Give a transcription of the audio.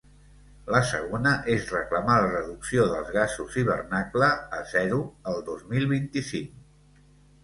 La segona és reclamar la reducció dels gasos hivernacle a zero el dos mil vint-i-cinc.